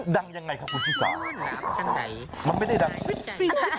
ดังยังไงครับคุณฟิศามันไม่ได้ดังฟิฟี่หรอ